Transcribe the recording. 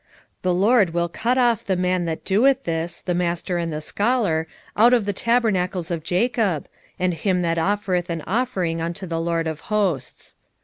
2:12 The LORD will cut off the man that doeth this, the master and the scholar, out of the tabernacles of Jacob, and him that offereth an offering unto the LORD of hosts.